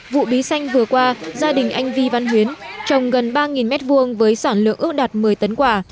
vụ bí xanh vừa qua gia đình anh vi văn huyến trồng gần ba m hai với sản lượng ước đạt một mươi tấn quả